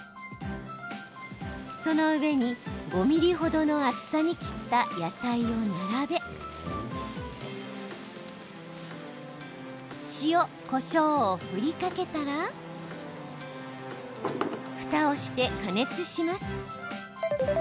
その上に５ｍｍ程の厚さに切った野菜を並べ塩、こしょうを振りかけたらふたをして加熱します。